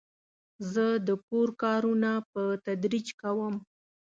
زه د کور کارونه په تدریج کوم.